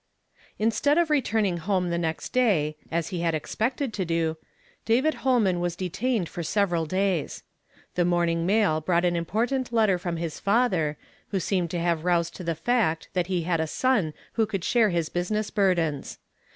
"INSTEAD of returning home the next day, as ^ lie luul expected to do, David Ilolnian Avas detained for several days, 'i'he niornijig nmil broug bt an important letter from iiis fatber, wlio seemed to liave ronsed to the fact tbat be bad a son Avbo could sbare bis business burdens.